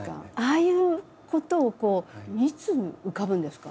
ああいうことをいつ浮かぶんですか？